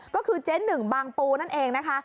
ก็คือเจ๊หนึ่งบางปูนั่นเองนะคะ